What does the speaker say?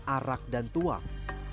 arak dan tuang